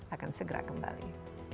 akan segera kembali